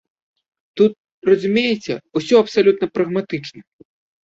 Тут, разумееце, усё абсалютна прагматычна.